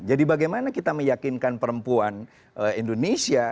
jadi bagaimana kita meyakinkan perempuan indonesia